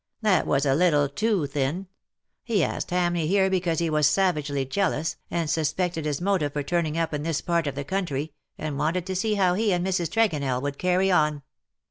^' That was a little too thin. He asked Hamleigh here because he was savagely jealous, and suspected his motive for turning up in this part of the country, and wanted to see how he and Mrs. Tregonell would carry on.